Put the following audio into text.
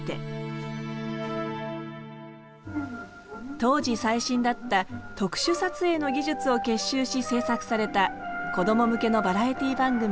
当時最新だった特殊撮影の技術を結集し制作されたこども向けのバラエティー番組